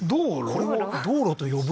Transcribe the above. これを道路と呼ぶ？